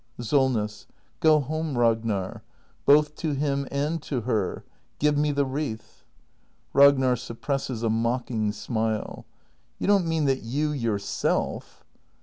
Solness. Go home, Ragnar — both to him and to her. Give m e the wreath. Ragnar. [Suppresses a mocking smile.] You don't mean that you yourself